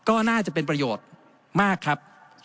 ก็น่าจะเป็นประโยชน์มากครับ